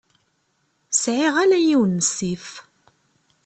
Sɛiɣ ala yiwen n ssif.